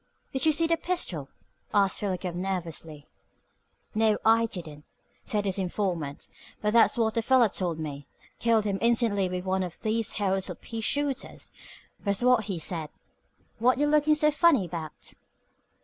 "Did you see the pistol?" asked Philo Gubb nervously. "No, I didn't," said his informant, "but that's what the feller told me. 'Killed him instantly with one of these here little pea shooters,' was what he said. What you lookin' so funny about?"